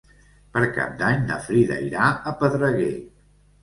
Per Cap d'Any na Frida irà a Pedreguer.